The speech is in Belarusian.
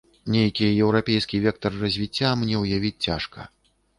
Нейкі еўрапейскі вектар развіцця мне ўявіць цяжка.